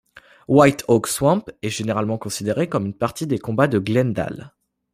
White Oak Swamp est généralement considérée comme une partie des combats de Glendale.